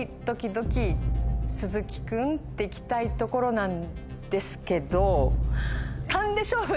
スズキくんっていきたいところなんですけど。